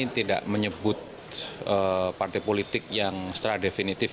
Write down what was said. tidak menyebut partai politik yang secara definitif